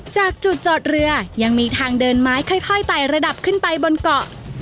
จากจุดจอดเรือยังมีทางเดินไม้ค่อยไต่ระดับขึ้นไปบนเกาะ